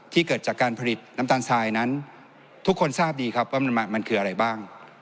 เกิดจากการผลิตน้ำตาลทรายนั้นทุกคนทราบดีครับว่ามันคืออะไรบ้าง